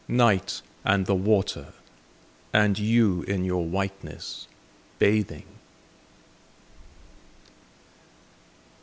Night, and the water, and you in your whiteness, bathing!